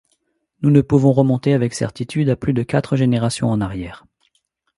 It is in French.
Nous ne pouvons remonter avec certitude à plus de quatre générations en arrière.